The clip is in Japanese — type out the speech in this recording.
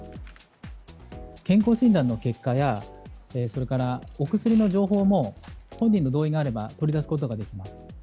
健康診断の結果や、それからお薬の情報も本人の同意があれば取り出すことができます。